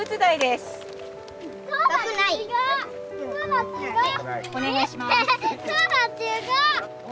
すごい。